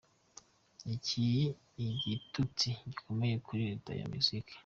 Iki ni igitutsi gikomeye kuri leta ya Mexique.